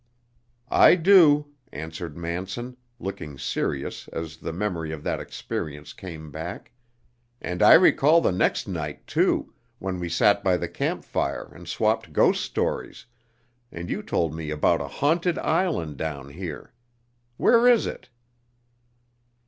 "I do," answered Manson, looking serious as the memory of that experience came back, "and I recall the next night, too, when we sat by the camp fire and swapped ghost stories, and you told me about a haunted island down here. Where is it?"